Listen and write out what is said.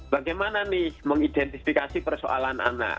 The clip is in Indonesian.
bagaimana nih mengidentifikasi persoalan anak